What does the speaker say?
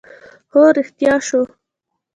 خو رښتيا شو